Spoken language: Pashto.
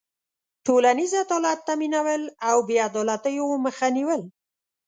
ټولنیز عدالت تأمینول او بېعدالتيو مخه نېول.